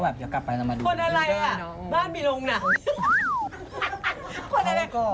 เดี๋ยวกลับไปนำมาดูคนอะไรอ่ะบ้านมีโรงหนัง